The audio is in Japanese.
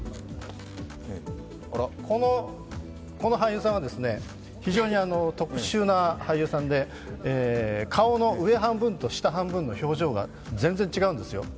この俳優さんは非常に特殊な俳優さんで顔の上半分と下半分の表情が全然違うんですよ。